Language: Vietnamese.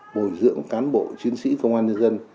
bồi dưỡng cán bộ chiến sĩ công an nhân dân